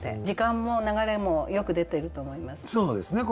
時間も流れもよく出てると思います。